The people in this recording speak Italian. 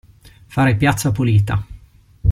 Fare piazza pulita.